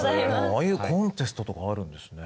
ああいうコンテストとかあるんですね。